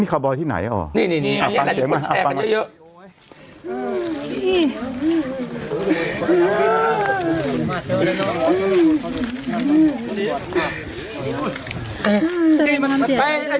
นี่เขาบอกที่ไหนอ่อนี่นี่นี่อันนี้คนแชร์กันเยอะเยอะ